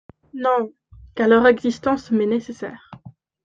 Non… car leur existence m’est nécessaire.